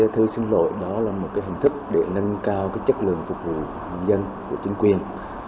thư xin lỗi đó là một hình thức để nâng cao chất lượng phục vụ nhân dân của chính quyền